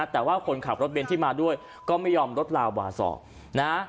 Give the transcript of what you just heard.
แต่ว่าคนขับรถเบนท์ที่มาด้วยก็ไม่ยอมลดลาวาสอกนะ